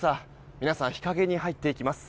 皆さん、日陰に入っていきます。